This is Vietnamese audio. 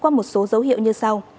qua một số dấu hiệu như sau